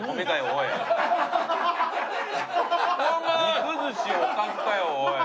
肉寿司おかずかよおい。